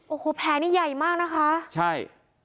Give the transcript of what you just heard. โอ้โหแผลนี้ใหญ่มากนะคะใช่